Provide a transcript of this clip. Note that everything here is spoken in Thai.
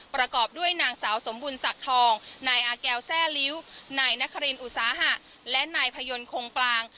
ประกอบด้วยนางสาวสมบุญศักดิ์ทองนายอาแก้วแทร่ลิ้วนายนครินอุตสาหะและนายพยนต์คงกลาง